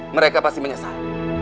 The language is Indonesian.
mereka pasti menyesal